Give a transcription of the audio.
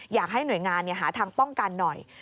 อยากให้หน่วยงานหาทางป้องกันหน่อย